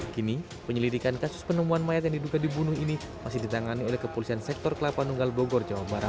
kini penyelidikan kasus penemuan mayat yang diduga dibunuh ini masih ditangani oleh kepolisian sektor kelapa nunggal bogor jawa barat